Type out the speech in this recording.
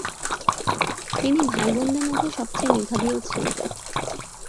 তিনি ভাইবোনদের মধ্যে সবচেয়ে মেধাবীও ছিলেন।